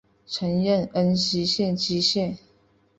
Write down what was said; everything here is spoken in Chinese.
曾任恩施县知县。